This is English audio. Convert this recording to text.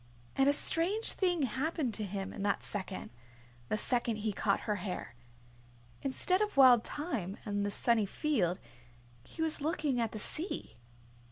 And a strange thing happened to him in that second, the second he caught her hair. Instead of Wild Thyme and the sunny field, he was looking at the sea.